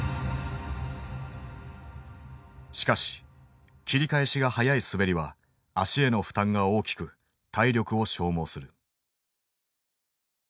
しかし切り返しが速い滑りは足への負担が大きく体力を消耗する。